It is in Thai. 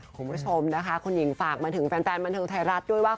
คุณผู้ชมนะคะคุณหญิงฝากมาถึงแฟนบันเทิงไทยรัฐด้วยว่า